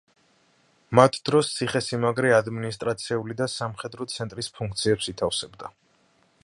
მათ დროს ციხესიმაგრე ადმინისტრაციული და სამხედრო ცენტრის ფუნქციებს ითავსებდა.